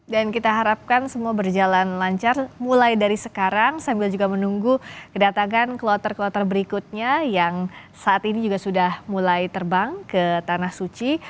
dan kita harapkan semua berjalan lancar mulai dari sekarang sambil juga menunggu kedatangan kloter kloter berikutnya yang saat ini juga sudah mulai terbang ke tanah suci